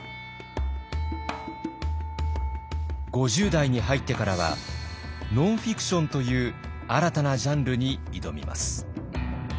５０代に入ってからはノンフィクションという新たなジャンルに挑みます。